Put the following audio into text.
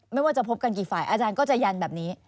ไม่ว่าจะพบกันกี่ฝ่ายอาจารย์ก็จะยันแบบนี้